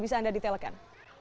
bisa anda detailkan